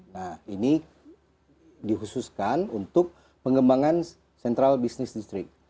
nah ini dikhususkan untuk pengembangan sentral bisnis distrik